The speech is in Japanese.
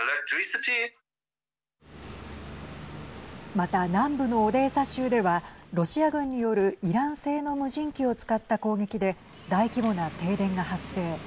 また南部のオデーサ州ではロシア軍によるイラン製の無人機を使った攻撃で大規模な停電が発生。